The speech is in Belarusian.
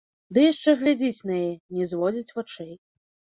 Ды яшчэ глядзіць на яе, не зводзіць вачэй.